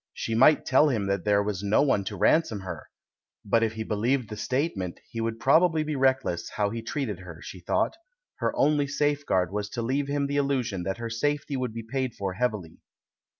She might tell him that there was no one to ransom her; but if he believed the statement, he would probably be reckless how he treated her, she thought ; her only safeguard was to leave him the illusion that her safety would be paid for heavily.